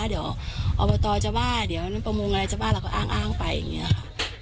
เดี๋ยวอบตจะบ้าเดี๋ยวประมวงอะไรจะบ้าเราก็อ้างไปอย่างนี้ครับ